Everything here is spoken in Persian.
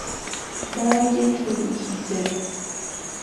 برگ چروکیده